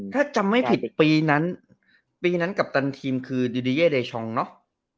ถ้าจำไม่ผิดปีนั้นกัปตันทีมคือดิดิเยดายชองเนอะ